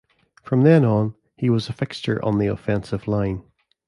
From then on, he was a fixture on the offensive line.